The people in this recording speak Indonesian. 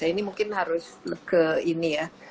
ini mungkin harus ke ini ya